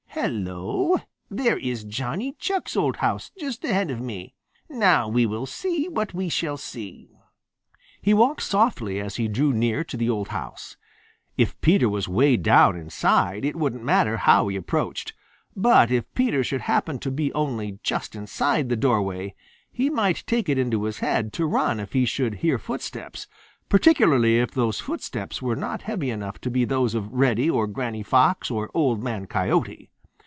Hello! There is Johnny Chuck's old house just ahead of me. Now we will see what we shall see." He walked softly as he drew near to the old house. If Peter was way down inside, it wouldn't matter how he approached. But if Peter should happen to be only just inside the doorway, he might take it into his head to run if he should hear footsteps, particularly if those footsteps were not heavy enough to be those of Reddy or Granny Fox or Old Man Coyote.